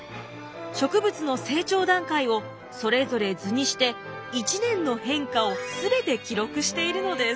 植物の成長段階をそれぞれ図にして１年の変化を全て記録しているのです。